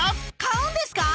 買うんですか？